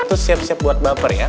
itu siap siap buat baper ya